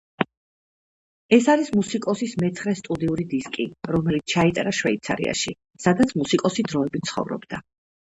ეს არის მუსიკოსის მეცხრე სტუდიური დისკი, რომელიც ჩაიწერა შვეიცარიაში, სადაც მუსიკოსი დროებით ცხოვრობდა.